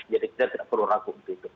jadi tidak perlu ragu untuk itu